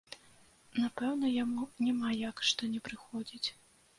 Напэўна, яму няма як, што не прыходзіць.